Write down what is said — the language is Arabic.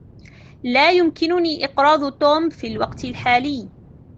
لا يمكنني إقراض توم في الوقت الحالي.